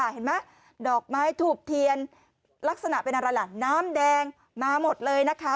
เห็นไหมดอกไม้ถูกเทียนลักษณะเป็นอะไรล่ะน้ำแดงมาหมดเลยนะคะ